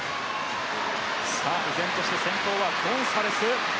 依然として先頭はゴンサレス。